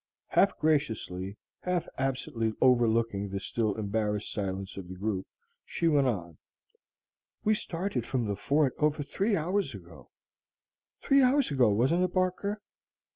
Half graciously, half absently overlooking the still embarrassed silence of the group, she went on: "We started from the fort over three hours ago, three hours ago, wasn't it, Barker?"